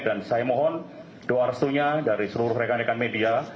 dan saya mohon doa restunya dari seluruh rekan rekan media